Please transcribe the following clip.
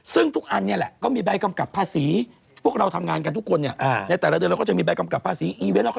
ซึ่งทุกอันนี้แหละก็มีใบกำกับภาษีพวกเราทำงานกันทุกคนในแต่ละเดือนเราก็จะมีใบกำกับภาษีอีเวนต์